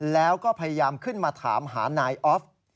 แล้วก็พยายามขึ้นมาถามหานายออฟ